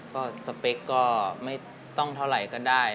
ก็สเปคก็ไม่ต้องเท่าไหร่ก็ได้